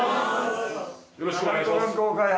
よろしくお願いします。